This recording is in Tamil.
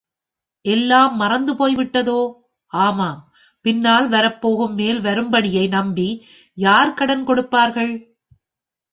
எல்லாம் மறந்து போய் விட்டதோ? ஆமாம், பின்னால் வரப்போகும் மேல் வரும்படியை நம்பி யார் கடன் கொடுப்பார்கள்?